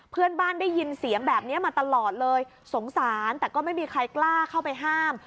เพื่อนบ้านได้ยินเสียงแบบนี้มาตลอดเลยสงสารแต่ก็ไม่มีใครกล้าเข้าไปห้าม